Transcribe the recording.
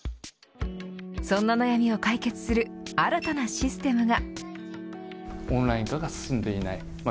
そんな悩みを解決する新たなシステムが。